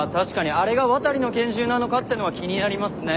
あれが渡の拳銃なのか？ってのは気になりますね。